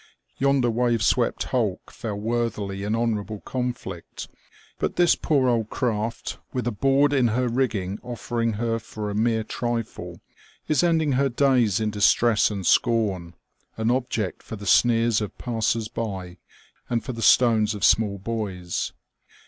Yonder wave swept hulk fell worthily in honourable conflict ; but this poor old craft, with a board in her rigging oflFering her for a mere trifle, is ending her days in distress and scorn, an object for the sneers of passers by and for the stones of small boys.